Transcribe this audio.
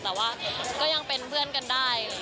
แต่ว่าก็ยังเป็นเพื่อนกันได้